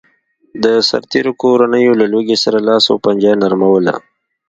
د سرتېرو کورنیو له لوږې سره لاس و پنجه نرموله